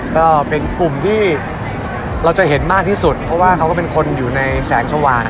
ก็เป็นกลุ่มที่เราจะเห็นมากที่สุดเพราะว่าเขาก็เป็นคนอยู่ในแสงสว่าง